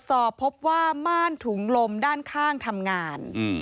สอบพบว่าม่านถุงลมด้านข้างทำงาน